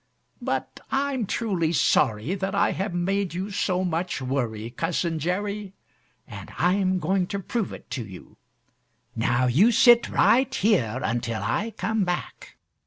But I'm truly sorry that I have made you so much worry, Cousin Jerry, and I'm going to prove it to you. Now you sit right here until I come back."